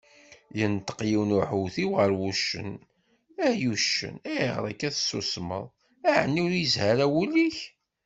Yenṭeq yiwen uḥewtiw γer wuccen: Ay uccen, ayγer akka tessusmeḍ, εni ur yezhi ara wul-ik?